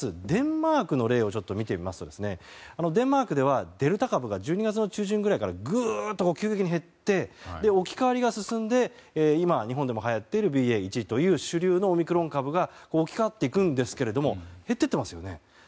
デンマークの例を見てみますとデンマークではデルタ株が１２月中旬からグーッと急激に減って置き換わりが進んで今、日本でも流行っているＢＡ．１という主流のオミクロン株に置き換わっていくんですが減っていっていますよね。